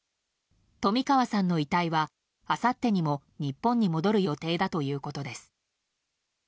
冨川さんの遺体は、あさってにも日本に戻る予定だということです。